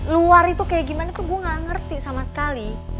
luar itu kayak gimana tuh gue gak ngerti sama sekali